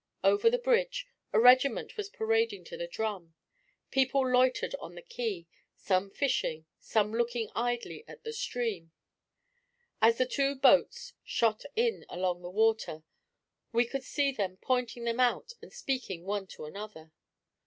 Over the bridge, a regiment was parading to the drum. People loitered on the quay, some fishing, some looking idly at the stream. And as the two boats shot in along the water, we could see them pointing them out and speaking one to another.